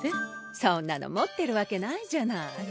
そんなの持ってるわけないじゃない。